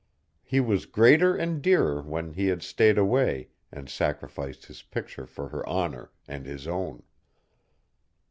He was greater and dearer when he had stayed away and sacrificed his picture for her honor, and his own.